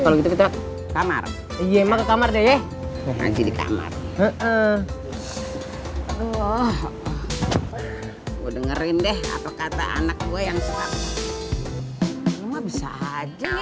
kalau gitu tamar tamar deh ya udah ngasih di kamar ngajin deh apa kata anak gue yang bisa aja